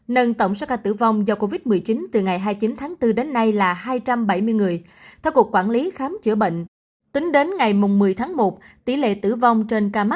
nâng tổng số ca tử vong do covid một mươi chín từ ngày hai mươi chín tháng bốn đến nay là hai